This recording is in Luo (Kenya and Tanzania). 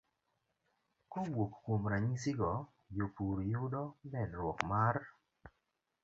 Kowuok kuom ranyisi go, jopur yudo medruok mar